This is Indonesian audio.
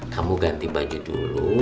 kamu ganti baju dulu